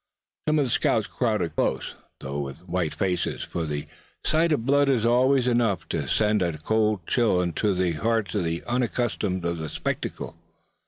Some of the scouts crowded close, though with white faces; for the sight of blood is always enough to send a cold chill to the hearts of those unaccustomed to the spectacle.